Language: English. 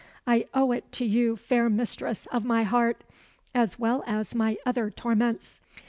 I owe it to you, fair mistress of my heart, as well as my other torments.